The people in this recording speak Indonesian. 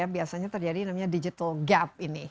biasanya terjadi namanya digital gap ini